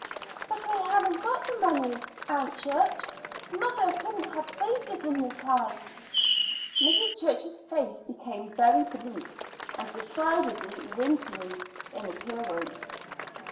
"But I haven't got the money, Aunt Church. Mother couldn't have saved it in the time." Mrs. Church's face became very bleak and decidedly wintry in appearance.